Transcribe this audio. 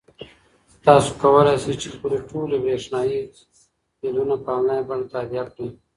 تاسو کولای شئ چې خپلې ټولې برېښنايي بلونه په انلاین بڼه تادیه کړئ.